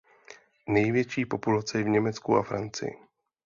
Největší populace je v Německu a Francii.